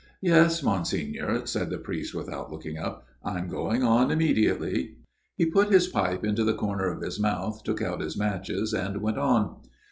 Yes, Monsignor," said the priest without looking up. " I am going on immediately." He put his pipe into the corner of his mouth, took out his matches, and went on.